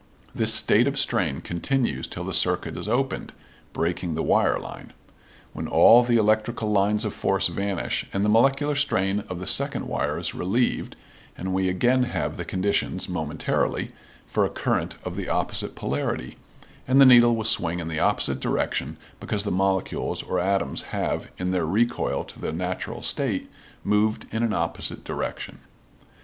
This state of strain continues till the circuit is opened (breaking the wire line), when all the electrical lines of force vanish and the molecular strain of the second wire is relieved, and we again have the conditions, momentarily, for a current of the opposite polarity, and the needle will swing in the opposite direction because the molecules or atoms have, in their recoil to the natural state, moved in an opposite direction.